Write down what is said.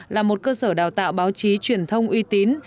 là một cơ sở đào tạo báo chí truyền thông uy tín